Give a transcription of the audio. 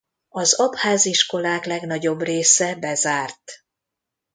Az abház iskolák legnagyobb része bezárt.